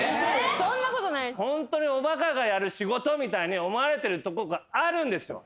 ホントにおバカがやる仕事みたいに思われてるとこがあるんですよ。